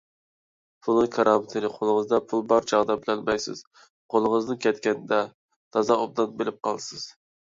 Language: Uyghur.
پۇلنىڭ كارامىتىنى قولىڭىزدا پۇل بار چاغدا بىلەلمەيسىز، قولىڭىزدىن كەتكەندە تازا ئوبدان بىلىپ قالىسىز.